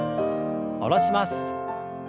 下ろします。